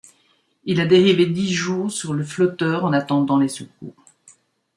Il a dérivé dix jours sur le flotteur en attendant les secours.